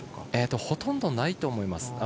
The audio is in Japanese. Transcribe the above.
ほとんどないと思います。